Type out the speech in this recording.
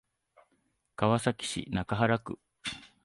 川崎市中原区